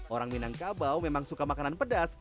orang minangkabau memang suka makanan pedas